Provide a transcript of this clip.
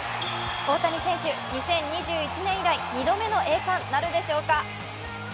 大谷選手、２０２１年以来２度目の栄冠なるでしょうか。